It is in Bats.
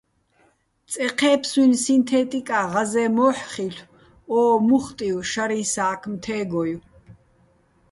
წე ჴე́ფსუჲნი̆ სინთე́ტიკა ღაზე́ჼ მო́ჰ̦ ხილ'ო̆, ო მუხტივ შარიჼ სა́ქმ თე́გოჲო̆.